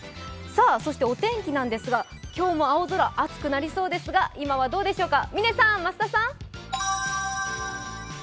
そしてお天気なんですが、今日も青空、暑くなりそうなんですが今はどうでしょうか？